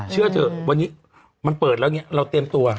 เชื่อเถอะวันนี้มันเปิดแล้วเนี่ยเราเตรียมตัว